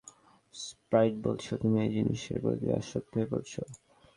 Sprite বলছিল তুমি এই জিনিসের প্রতি আসক্ত হয়ে পড়েছ।